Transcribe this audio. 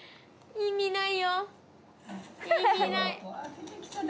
意味ない。